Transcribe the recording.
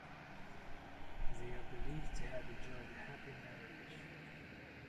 They are believed to have enjoyed a happy marriage.